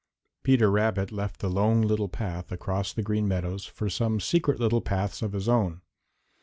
Peter Rabbit left the Lone Little Path across the Green Meadows for some secret little paths of his own.